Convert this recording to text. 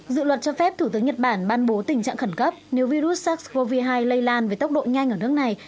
dự luật cho phép thủ tướng nhật bản ban bố tình trạng khẩn cấp nếu virus sars cov hai lây lan với tốc độ nhanh ở nước này